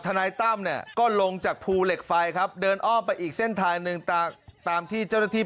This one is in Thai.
ถึงมันจะเป็นจุดที่เจอแอนเกงหรือว่าสิ่งที่เจอสด